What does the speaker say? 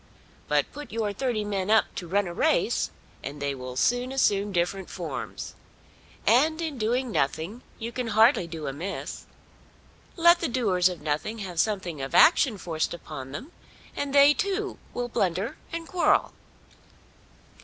But put your thirty men up to run a race, and they will soon assume different forms. And in doing nothing, you can hardly do amiss. Let the doers of nothing have something of action forced upon them, and they, too, will blunder and quarrel.